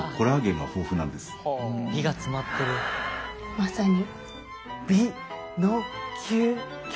まさに。